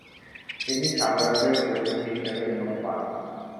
তিনি সাম্রাজ্যের প্রতিনিধি হিসেবে নিয়োগ পান।